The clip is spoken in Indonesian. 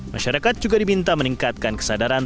masyarakat juga diminta meningkatkan kesadaran